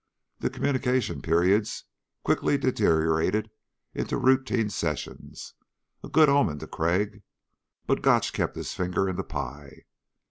The communication periods quickly deteriorated into routine sessions a good omen to Crag but Gotch kept his finger in the pie.